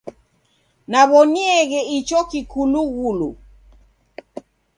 Naw'onieghe icho kikulughulu.